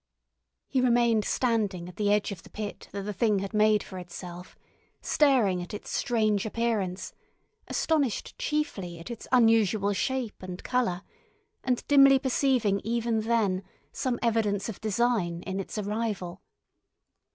He remained standing at the edge of the pit that the Thing had made for itself, staring at its strange appearance, astonished chiefly at its unusual shape and colour, and dimly perceiving even then some evidence of design in its arrival.